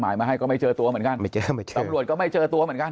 มาให้ก็ไม่เจอตัวเหมือนกันไม่เจอไม่เจอตำรวจก็ไม่เจอตัวเหมือนกัน